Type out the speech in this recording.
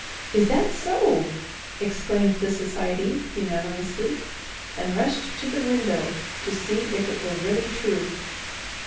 "Is that so?" exclaimed the society unanimously, and rushed to the window to see if it were really true.